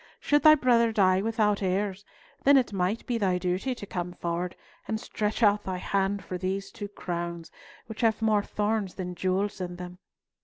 Should thy brother die without heirs, then it might be thy duty to come forward and stretch out thy hand for these two crowns, which have more thorns than jewels in them.